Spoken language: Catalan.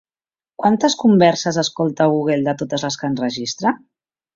Quantes converses escolta Google de totes les que enregistra?